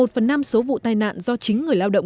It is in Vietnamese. một phần năm số vụ tai nạn do chính người lao động